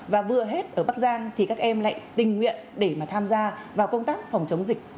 và vừa hết ở bắc giang thì các em lại tình nguyện để mà tham gia vào công tác phòng chống dịch